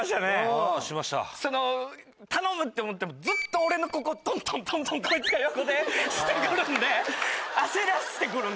その頼むって思ってもずっと俺のここトントントントンこいつが横でしてくるんで。